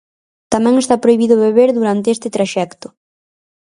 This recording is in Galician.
Tamén está prohibido beber durante este traxecto.